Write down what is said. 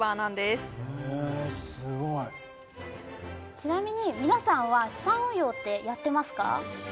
すごいちなみに皆さんは資産運用ってやってますか？